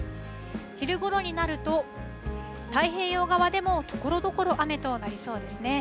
昼ごろになると、太平洋側でもところどころ雨となりそうですね。